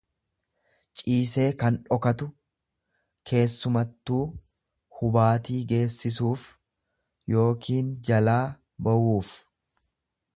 ciisee kann dhokatu, keessumattuu hubaatii geessisuuf yookiin jalaa bawuuf